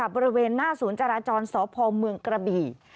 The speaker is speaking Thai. บริเวณหน้าศูนย์จราจรสพเมืองกระบี่